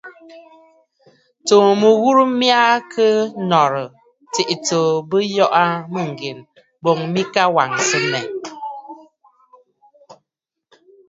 Tsuu mɨghurə mya kɨ nɔ̀rə̀, tsiʼì tsǒ bɨ yɔʼɔ mûŋgen, boŋ mɨ ka wàŋsə mmɛ̀.